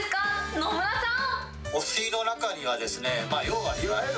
野村さん。